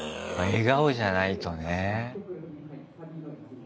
笑顔じゃないとね。